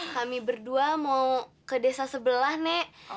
kami berdua mau ke desa sebelah nek